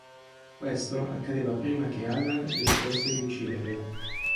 Questo accadeva prima che Alan decidesse di ucciderla.